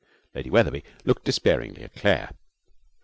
Lady Wetherby looked despairingly at Claire.